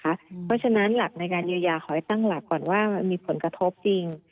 เพราะฉะนั้นหลักในการเยียวยาขอให้ตั้งหลักก่อนว่ามันมีผลกระทบจริง